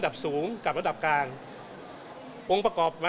ที่ผู้ชายด้านเยี่ยม